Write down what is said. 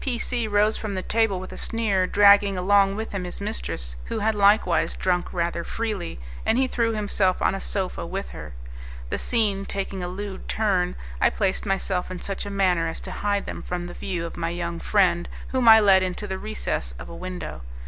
P C rose from the table with a sneer, dragging along with him his mistress, who had likewise drunk rather freely, and he threw himself on a sofa with her. The scene taking a lewd turn, I placed myself in such a manner as to hide them from the view of my young friend, whom I led into the recess of a window.